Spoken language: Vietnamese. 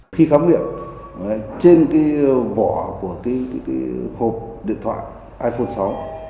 khi khám nghiệm trên cái vỏ của hộp điện thoại iphone sáu